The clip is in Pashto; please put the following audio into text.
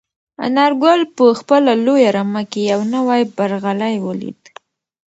انارګل په خپله لویه رمه کې یو نوی برغلی ولید.